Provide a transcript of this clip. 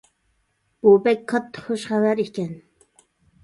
بۇ بەك كاتتا خۇش خەۋەر ئىكەن.